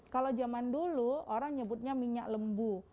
kalau zaman dulu orang nyebutnya minyak lembu